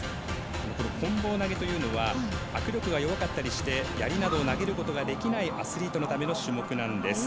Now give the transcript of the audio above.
こん棒投げというのは握力が弱かったりしてやりなどを投げることができないアスリートのための種目です。